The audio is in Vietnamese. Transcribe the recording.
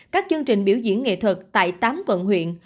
các chương trình biểu diễn nghệ thuật tại tám quận huyện